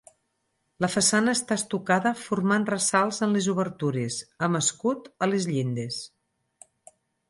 La façana està estucada formant ressalts en les obertures, amb escut a les llindes.